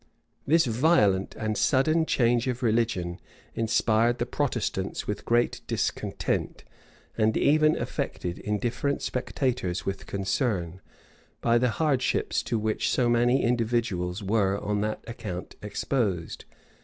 This violent and sudden change of religion inspired the Protestants with great discontent; and even affected indifferent spectators with concern, by the hardships to which so many individuals were on that account exposed.